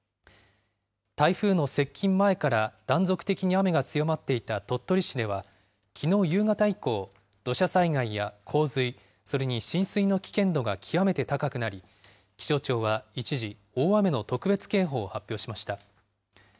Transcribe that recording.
台風の接近前から断続的に雨が強まっていた鳥取市では、きのう夕方以降、土砂災害や洪水、それに浸水の危険度が極めて高くなり、気象庁は一時、大雨の特別警報を発表しました。